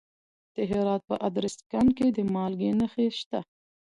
د هرات په ادرسکن کې د مالګې نښې شته.